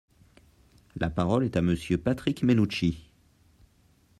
La parole est à Monsieur Patrick Mennucci.